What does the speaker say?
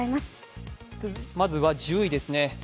まずは１０位ですね。